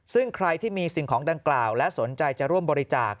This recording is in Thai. ซึ่งใครที่มีสิ่งของดังกล่าวและสนใจจะร่วมบริจาค